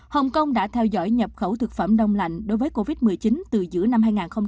hồng kông đã theo dõi nhập khẩu thực phẩm đông lạnh đối với covid một mươi chín từ giữa năm hai nghìn hai mươi